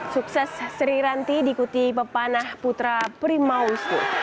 sukses sri ranti diikuti pepanah putra primausto